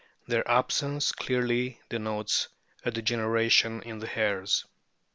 Their absence clearly denotes a degeneration in the hairs.